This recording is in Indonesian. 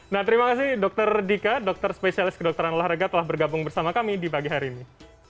nah terima kasih dr dika dokter spesialis kedokteran olahraga telah bergabung bersama kami di pagi hari ini